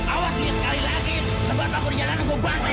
awas sekali lagi sebab aku di jalan tunggu banget